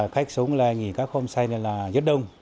khách xuống là nghỉ các homestay là rất đông